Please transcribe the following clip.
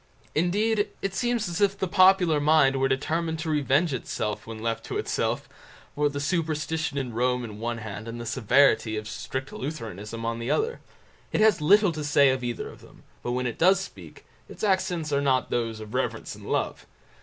Indeed, it seems as if the popular mind were determined to revenge itself when left to itself, for the superstition of Rome on the one hand, and the severity of strict Lutheranism on the other. It has little to say of either of them, but when it does speak, its accents are not those of reverence and love.